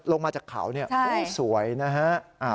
ลงมาจากเขาอู้สวยนะฮะ